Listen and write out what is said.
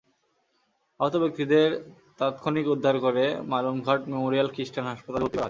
আহত ব্যক্তিদের তাৎক্ষণিক উদ্ধার করে মালুমঘাট মেমোরিয়াল খ্রিষ্টান হাসপাতালে ভর্তি করা হয়।